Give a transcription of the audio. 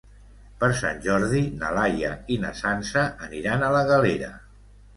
Per Sant Jordi na Laia i na Sança aniran a la Galera.